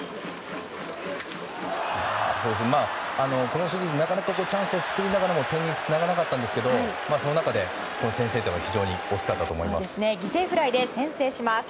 このシリーズチャンスを作りながらもなかなか点につながらなかったんですがその中でこの先制点は非常に大きかったと思います。